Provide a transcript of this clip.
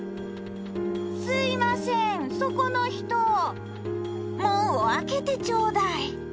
すみません、そこの人、門を開けてちょうだい。